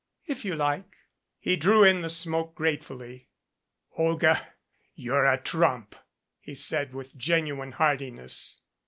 "If you like." He drew in the smoke gratefully. "Olga, you're a trump," he said with a genuine hearti ness.